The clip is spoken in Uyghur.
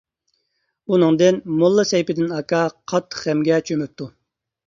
ئۇنىڭدىن موللا سەيپىدىن ئاكا قاتتىق غەمگە چۆمۈپتۇ.